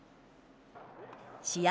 試合